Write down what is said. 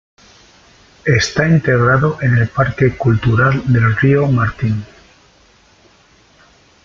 Está integrado en el Parque Cultural del Río Martín.